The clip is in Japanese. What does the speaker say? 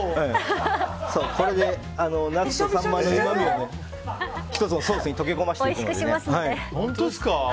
これで、ナスとサンマを１つのソースに溶け込ませていくので。